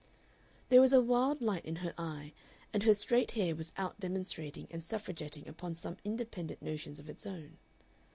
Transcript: There was a wild light in her eye, and her straight hair was out demonstrating and suffragetting upon some independent notions of its own.